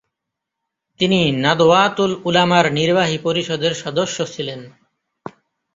তিনি নাদওয়াতুল উলামার নির্বাহী পরিষদের সদস্য ছিলেন।